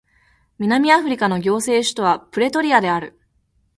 南アフリカの行政首都はプレトリアである